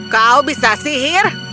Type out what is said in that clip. kau bisa sihir